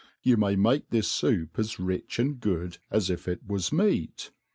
You may make this foup as rich and good as if it was meat.